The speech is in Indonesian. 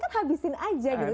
kan habisin aja gitu